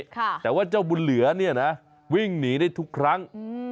แต่ว่าเจ้าบุญเหลือเนี่ยนะวิ่งหนีได้ทุกครั้งอืม